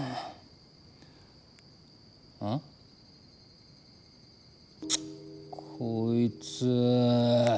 あ？こいつ！